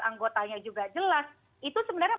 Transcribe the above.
anggotanya juga jelas itu sebenarnya